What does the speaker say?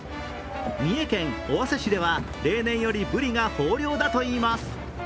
三重県尾鷲市では例年よりブリが豊漁だといいます。